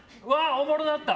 おもろなった！